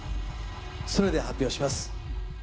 それでは発表します。